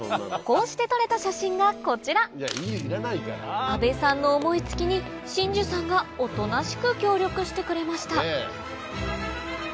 こうして撮れた写真がこちら阿部さんの思い付きにシンジュサンがおとなしく協力してくれました